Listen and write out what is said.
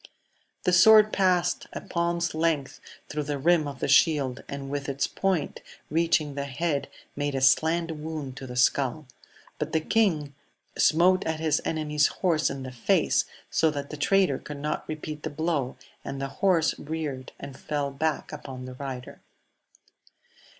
The sword passed a palm's length throuj the rim of the shield, and with its point reaching tl head made a slant wound to the skull ; but the kii smote at his enemy's horse in the face, so that tl traitor could not repeat the blow, and the horse rean and fell back upon the rider.